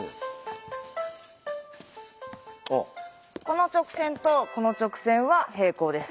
この直線とこの直線は平行です。